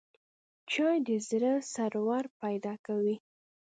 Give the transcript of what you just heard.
چای د زړه سرور پیدا کوي